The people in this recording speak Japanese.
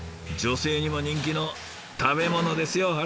女性にも人気の食べ物ですよ。